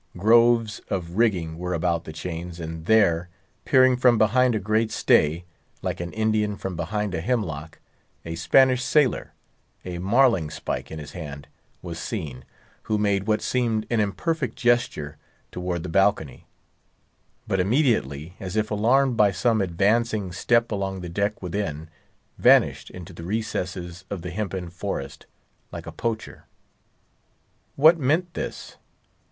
Groves of rigging were about the chains; and there, peering from behind a great stay, like an Indian from behind a hemlock, a Spanish sailor, a marlingspike in his hand, was seen, who made what seemed an imperfect gesture towards the balcony, but immediately as if alarmed by some advancing step along the deck within, vanished into the recesses of the hempen forest, like a poacher. What meant this?